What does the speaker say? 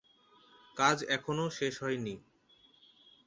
কাজ এখনও শেষ হয়নি।